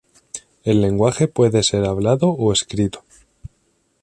El lenguaje puede ser hablado o escrito.